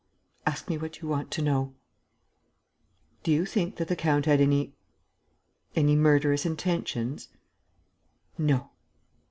"Ask me what you want to know." "Do you think that the count had any ... any murderous intentions?" "No."